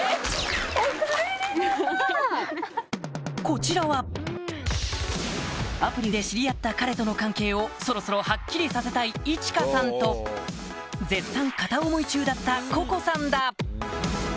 こちらはアプリで知り合った彼との関係をそろそろハッキリさせたいいちかさんと絶賛片思い中だったここさんだ